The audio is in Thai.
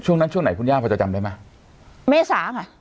ช่วงนั้นช่วงไหนคุณย่าพอจะจำได้ไหมเมษาค่ะ